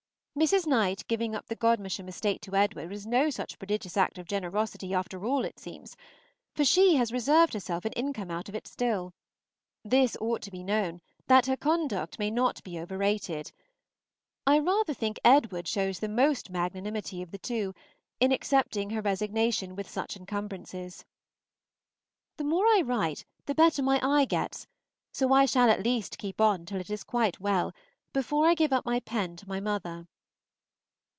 Mrs. Knight giving up the Godmersham estate to Edward was no such prodigious act of generosity after all, it seems, for she has reserved herself an income out of it still; this ought to be known, that her conduct may not be overrated. I rather think Edward shows the most magnanimity of the two, in accepting her resignation with such incumbrances. The more I write, the better my eye gets; so I shall at least keep on till it is quite well, before I give up my pen to my mother.